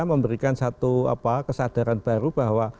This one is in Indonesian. memberikan satu kesadaran baru bahwa